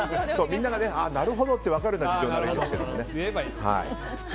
みんなが、なるほどって分かるような事情ならいいんですが。